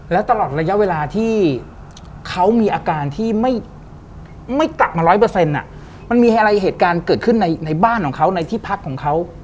แล้วตลอดระยะเวลาที่เขามีอาการที่ไม่กลับมาร้อยเปอร์เซ็นต์มันมีอะไรเหตุการณ์เกิดขึ้นในบ้านของเขาในที่พักของเขา